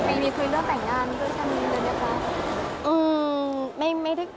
มีคุยเรื่องแต่งงานด้วยใช่ไหมเดี๋ยวดีกว่า